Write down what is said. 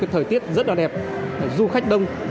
thời tiết rất đẹp du khách đông